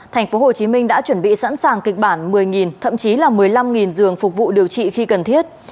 tp hcm đã chuẩn bị sẵn sàng kịch bản một mươi thậm chí là một mươi năm giường phục vụ điều trị khi cần thiết